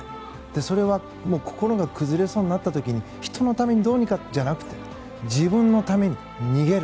それは心が崩れそうになった時に人のためにどうにかじゃなくて自分のために逃げる。